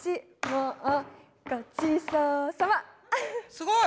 すごい！